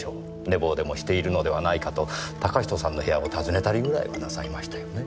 寝坊でもしているのではないかと嵩人さんの部屋を訪ねたりぐらいはなさいましたよね？